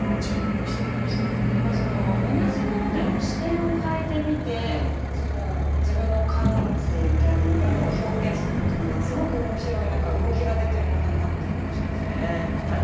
やっぱりその同じものでも視点を変えてみて自分の感性みたいなものを表現するっていうのはすごく面白い何か動きが出てる句だなって感じしますね。